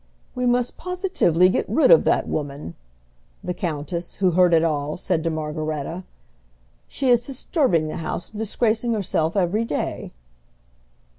"We positively must get rid of that woman," the countess, who heard it all, said to Margaretta. "She is disturbing the house and disgracing herself every day."